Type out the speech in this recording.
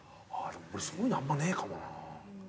俺そういうのあんまねえかもな。